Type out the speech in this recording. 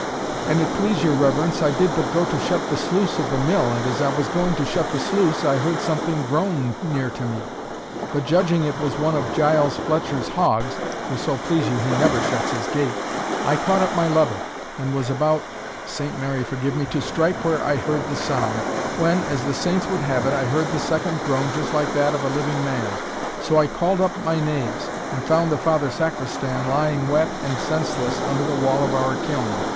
"An it please your reverence, I did but go to shut the sluice of the mill and as I was going to shut the sluice, I heard something groan near to me; but judging it was one of Giles Fletcher's hogs for so please you he never shuts his gate I caught up my lever, and was about Saint Mary forgive me! to strike where I heard the sound, when, as the saints would have it, I heard the second groan just like that of a living man. So I called up my knaves, and found the Father Sacristan lying wet and senseless under the wall of our kiln.